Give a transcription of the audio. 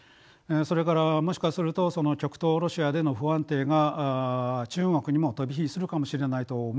それからもしかすると極東ロシアでの不安定が中国にも飛び火するかもしれないと思うかもしれない。